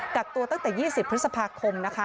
กักตัวตั้งแต่๒๐พฤษภาคมนะคะ